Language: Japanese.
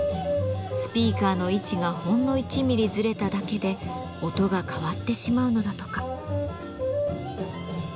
スピーカーの位置がほんの１ミリずれただけで音が変わってしまうのだとか。